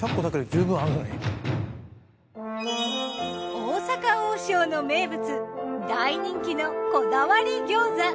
大阪王将の名物大人気のこだわり餃子。